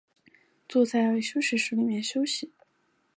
坐在休息室里面休息